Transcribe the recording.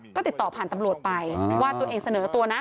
ก็ติดต่อผ่านตำรวจไปว่าตัวเองเสนอตัวนะ